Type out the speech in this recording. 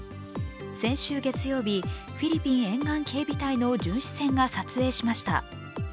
先週月曜日フィリピン沿岸警備隊の巡視船が撮影しました。